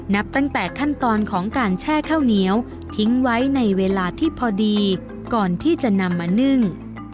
นับตั้งแต่ขั้นตอนของการแช่ข้าวเหนียวทิ้งไว้ในเวลาที่พอดีก่อนที่จะนำมานึ่ง